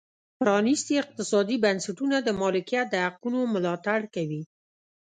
پرانیستي اقتصادي بنسټونه د مالکیت د حقونو ملاتړ کوي.